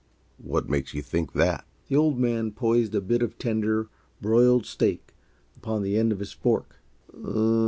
"What makes yuh think that?" The Old Man poised a bit of tender, broiled steak upon the end of his fork.